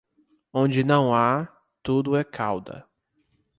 Onde não há, tudo é cauda.